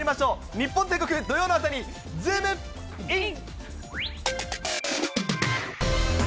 日本全国土曜の朝に、ズームイン！！